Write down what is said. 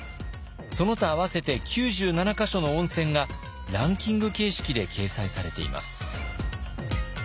その他合わせて９７か所の温泉がランキング形式で掲載されています。